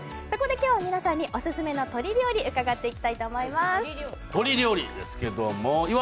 そこで今日は皆さんにオススメの鶏料理を伺っていきたいと思います。